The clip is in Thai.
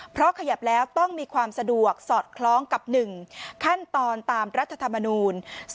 เพราะขยับแล้วต้องมีความสะดวกสอดคล้องกับ๑ขั้นตอนตามรัฐธรรมนูล